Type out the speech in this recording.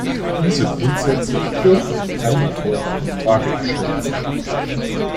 Diese Grundsätze dürfen in keiner Form in Frage gestellt werden.